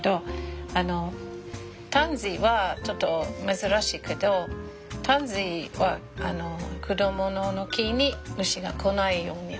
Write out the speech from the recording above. タンジーはちょっと珍しいけどタンジーは果物の木に虫が来ないようにの力あるんですよ。